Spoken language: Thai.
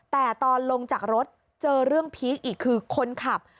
แต่ตอนลงจากรถเจอเรื่องพีคอีกคือคนขับ